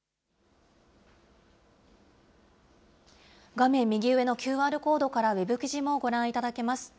画面右上のＱＲコードからウエブ記事もご覧いただけます。